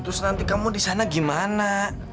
terus nanti kamu disana gimana